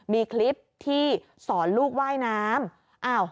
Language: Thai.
มีคลิปที่สอนลูกว่ายน้ำ